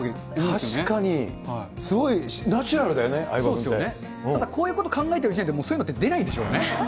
確かに、すごいナチュラルだよね、ただ、こういうことを考えてるのって、そういうことも出ないでしょうね。